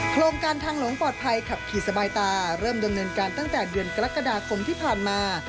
โครงการทางหลวงปลอดภัยขับขี่สบายตาเริ่มดำเนินการตั้งแต่เดือนกรกฎาคมที่ผ่านมา